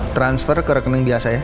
transfer ke rekening biasa ya